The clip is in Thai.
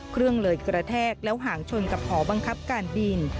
เครื่องเลยกระแทกแล้วห่างชนกับหอบังคับการบิน